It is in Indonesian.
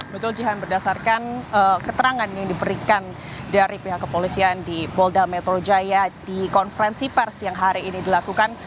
betul jihan berdasarkan keterangan yang diberikan dari pihak kepolisian di polda metro jaya di konferensi pers yang hari ini dilakukan